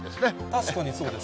確かにそうです。